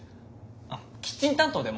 あっキッチン担当でも。